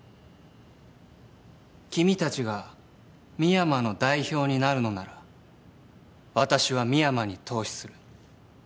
君たちが深山の代表になるのなら私は深山に投資する。